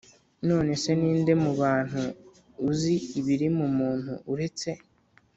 None se ni nde mu bantu uzi ibiri mu muntu uretse